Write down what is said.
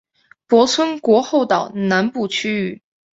泊村国后岛南部区域。